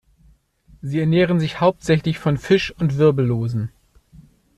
Sie ernähren sich hauptsächlich von Fisch und Wirbellosen.